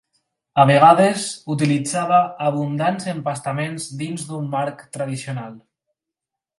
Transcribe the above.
A vegades, utilitzava abundants empastaments dins d'un marc tradicional.